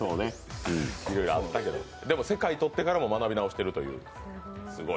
でも、世界取ってからも学び直してると、すごい。